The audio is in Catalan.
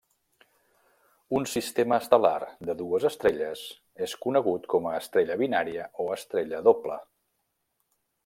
Un sistema estel·lar de dues estrelles és conegut com a estrella binària, o estrella doble.